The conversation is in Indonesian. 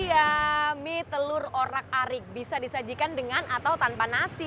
iya mie telur orak arik bisa disajikan dengan atau tanpa nasi